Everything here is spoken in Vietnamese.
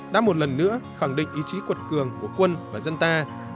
đã một lần nữa khẳng định ý chí quật cường của quân và dân ta